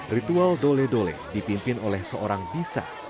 ritual dole dole dipimpin oleh seorang bisa